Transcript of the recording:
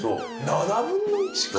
７分の１か！